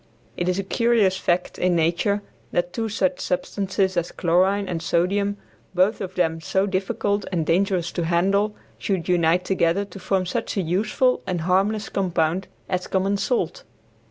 It is a curious fact in nature that two such substances as chlorine and sodium, both of them so difficult and dangerous to handle, should unite together to form such a useful and harmless compound as common salt.